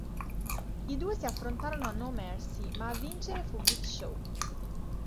I due si affrontarono a No Mercy, ma a vincere fu Big Show.